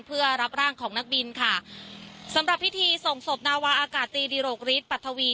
เพื่อรับร่างของนักบินค่ะสำหรับพิธีส่งศพนาวาอากาศตีดิโรคฤทธิปัทวี